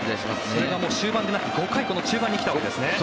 それが終盤じゃなくて５回、中盤に来たわけですね。